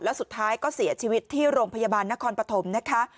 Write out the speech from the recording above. แล้วสุดท้ายก็เสียชีวิตที่โรงพยาบาลนครปฐมนะคะ